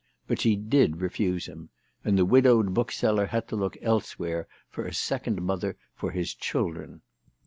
But she did refuse him ; and the widowed bookseller had to look elsewhere for a second mother for his children.